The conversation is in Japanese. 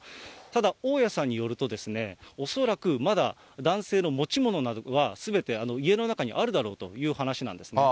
ただ大家さんになると、恐らくまだ男性の持ち物などは、すべて家の中にあるだろうという話なんですね。